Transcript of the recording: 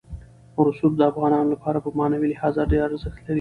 رسوب د افغانانو لپاره په معنوي لحاظ ډېر ارزښت لري.